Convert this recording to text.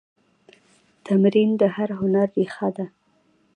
تمرین د هر هنر ریښه ده.